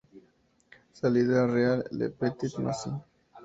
Salida real: Le Petit Massy.